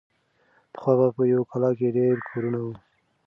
پخوا به په یوه کلا کې ډېر کورونه وو.